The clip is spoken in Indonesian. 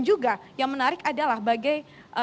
juga yang menarik adalah bagai